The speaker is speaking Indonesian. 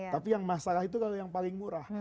tapi yang masalah itu kalau yang paling murah